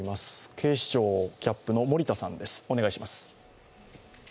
警視庁キャップの守田さんです。